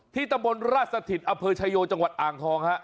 ที่ตะบนราชสถิตอเภอชายโยจังหวัดอ่างทองฮะ